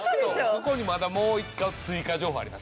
ここにまだもう１個追加情報あります。